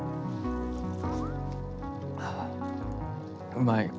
うまい。